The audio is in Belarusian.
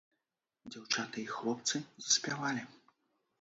Дзяўчаты і хлопцы заспявалі.